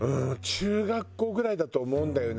中学校ぐらいだと思うんだよな